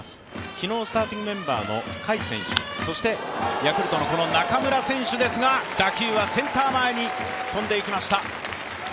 昨日スターティングメンバーの甲斐選手そしてヤクルトの中村選手ですが打球はセンター前に飛んでいきました。